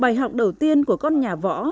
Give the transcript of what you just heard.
bài học đầu tiên của con nhà võ